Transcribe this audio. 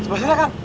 sebelah sana kang